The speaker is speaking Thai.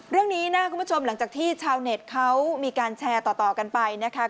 เรื่องนี้นะคุณผู้ชมหลังจากที่ชาวเน็ตเขามีการแชร์ต่อกันไปนะคะ